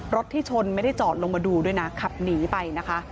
ที่ชนไม่ได้จอดลงมาดูด้วยนะขับหนีไปนะคะ